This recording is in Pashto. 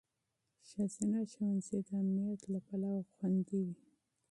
ښځینه ښوونځي د امنیت له پلوه خوندي وي.